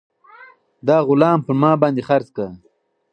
دا غلام پر ما باندې خرڅ کړه.